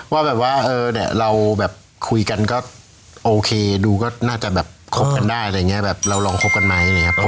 ว่าแบบว่าเออเนี่ยเราแบบคุยกันก็โอเคดูก็น่าจะแบบคบกันได้อะไรอย่างนี้แบบเราลองคบกันไหมอะไรอย่างนี้